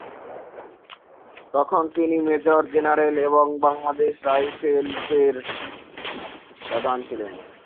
তখন তিনি major general এবং বাংলাদেশ রাইফেলসের প্রধান ছিলেন।